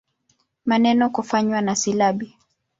Maneno kufanywa na silabi.